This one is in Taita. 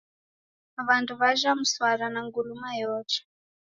W'andu w'ajha mswara na nguluma yeocha.